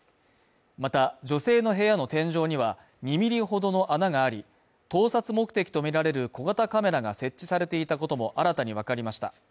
また、女性の部屋の天井には２ミリほどの穴があり、盗撮目的とみられる小型カメラが設置されていたことも新たにわかりました。